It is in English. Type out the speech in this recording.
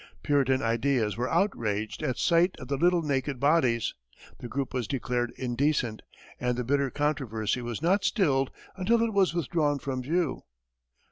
Puritan ideas were outraged at sight of the little naked bodies, the group was declared indecent, and the bitter controversy was not stilled until it was withdrawn from view.